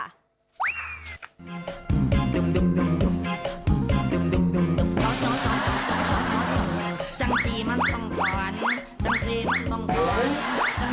ต้องท้อนจังสีมันต้องท้อนจังสีมันต้องท้อน